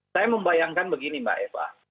saya membayangkan begini mbak eva